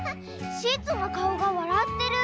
シーツのかおがわらってる！